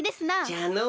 じゃの。